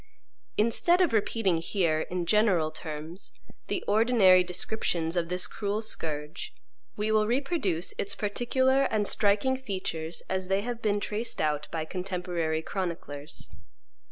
Instead of repeating here, in general terms, the ordinary descriptions of this cruel scourge, we will reproduce its particular and striking features as they have been traced out by contemporary chroniclers.